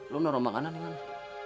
lo nerah makanan di mana